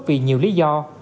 vì nhiều lý do